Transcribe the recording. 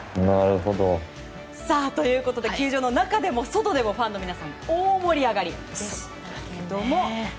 ということで球場の中でも外でもファンの皆さん大盛り上がりでしたけれども。